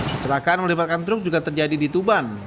kecelakaan melibatkan truk juga terjadi di tuban